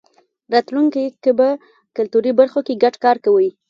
راتلونکی کې به کلتوري برخو کې ګډ کار کوی.